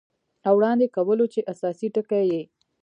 او وړاندې کولو چې اساسي ټکي یې